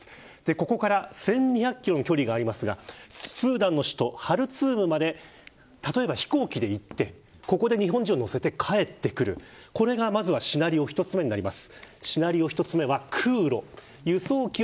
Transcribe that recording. ここから１２００キロの距離がありますがスーダンの首都ハルツームまで例えば飛行機で行ってここで日本人を乗せて帰ってくるまずこれが１つ目のシナリオです。